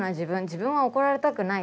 自分は怒られたくない。